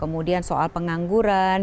kemudian soal pengangguran